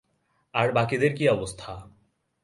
আর বাকিদের কী অবস্থা?